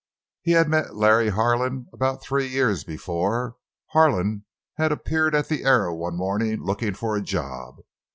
He had met Larry Harlan about three years before. Harlan had appeared at the Arrow one morning, looking for a job.